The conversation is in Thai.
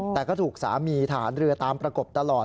แต่ก็ถูกสามีทหารเรือตามประกบตลอด